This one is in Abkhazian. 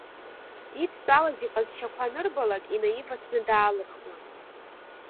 Идтәалаз иҟазшьақәа анырбалак инаивасны даалырхуан.